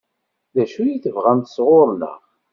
D acu i tebɣamt sɣur-neɣ?